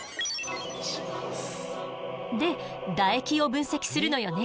で唾液を分析するのよね。